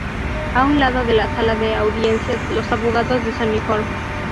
A un lado de la sala de audiencias los abogados de Sony Corp.